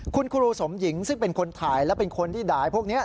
คุณครูสมหญิงซึ่งเป็นคนถ่ายและเป็นคนที่ด่ายพวกนี้